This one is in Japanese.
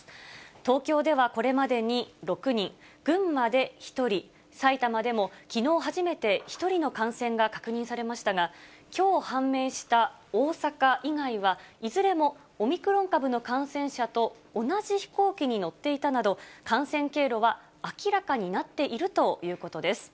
東京ではこれまでに６人、群馬で１人、埼玉でも、きのう初めて１人の感染が確認されましたが、きょう判明した大阪以外は、いずれもオミクロン株の感染者と同じ飛行機に乗っていたなど、感染経路は明らかになっているということです。